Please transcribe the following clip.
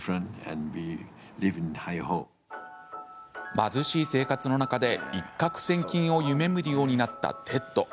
貧しい生活の中で一獲千金を夢みるようになったテッド。